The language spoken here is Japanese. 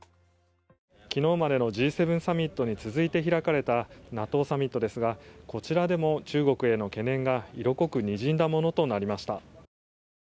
昨日までのＧ７サミットに続いて開かれたＮＡＴＯサミットですがこちらでも中国への懸念が色濃くにじんだものとなりました。